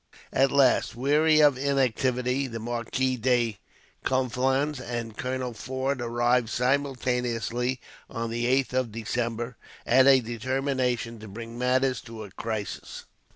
At last, weary of inactivity, the Marquis de Conflans and Colonel Forde arrived simultaneously, on the 8th of December, at a determination to bring matters to a crisis.